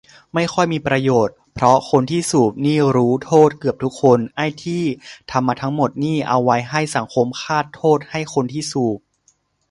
ไม่ค่อยมีประโยชน์ เพราะคนที่สูบนี่รู้โทษเกือบทุกคน ไอ้ที่ทำมาทั้งหมดนี่เอาไว้ให้สังคมคาดโทษให้คนที่สูบ